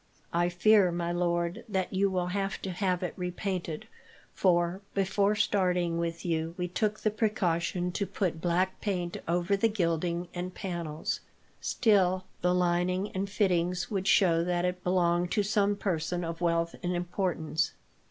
"I fear, my lord, that you will have to have it repainted; for, before starting with you, we took the precaution to put black paint over the gilding and panels. Still, the lining and fittings would show that it belonged to some person of wealth and importance.